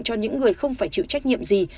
cho những người không phải chịu trách nhiệm gì